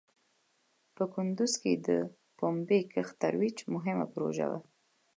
په کندوز کې د پومبې کښت ترویج مهم پروژه وه.